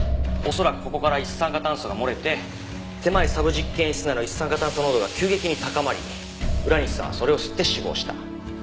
恐らくここから一酸化炭素が漏れて狭いサブ実験室内の一酸化炭素濃度が急激に高まり浦西さんはそれを吸って死亡した。